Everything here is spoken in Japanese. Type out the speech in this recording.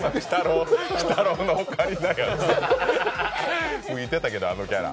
鬼太郎のオカリナや、浮いてたけど、あのキャラ。